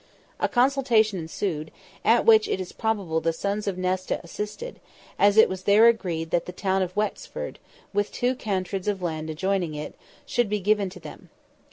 A consultation ensued, at which it is probable the sons of Nesta assisted, as it was there agreed that the town of Wexford, with two cantreds of land adjoining it, should be given to them.